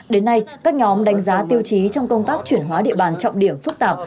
đến nay các nhóm đánh giá tiêu chí trong công tác chuyển hóa địa bàn trọng điểm phức tạp